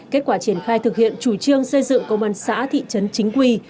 kết quả triển khai thực hiện chủ trương xây dựng công an xã thị trấn chính quy